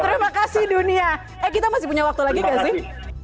terima kasih dunia eh kita masih punya waktu lagi gak sih